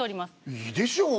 いいでしょう？